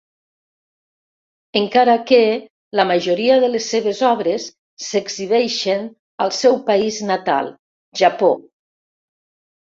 Encara que la majoria de les seves obres s'exhibeixen al seu país natal, Japó.